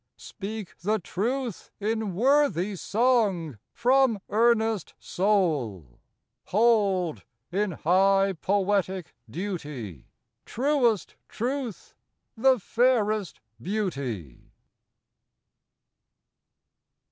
speak the truth in Worthy song from earnest soul ! Hold, in high poetic duty, Truest Truth the fairest Beauty!